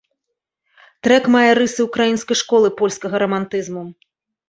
Трэк мае рысы ўкраінскай школы польскага рамантызму.